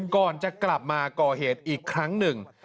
ก่อนจะกลับมาก่อเหตุอีกครั้งหนึ่ง